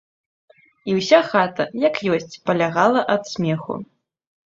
І ўся хата, як ёсць, палягала ад смеху.